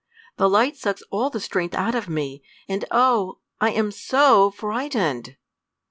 The light sucks all the strength out of me. And oh, I am so frightened!"